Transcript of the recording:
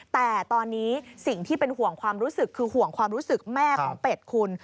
แต่ตอนนี้สิ่งที่เป็นห่วงความรู้สึกคือห่วงความรู้สึกแม่ของเป็ดคุณ